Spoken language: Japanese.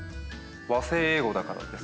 和製英語だからですか？